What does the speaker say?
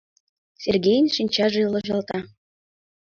Сергейын шинчаже ылыжалта.